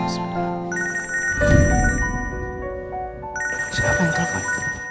siapa yang telpon